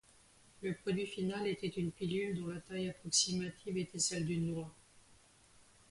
Le produit final était une pilule dont la taille approximative était celle d'une noix.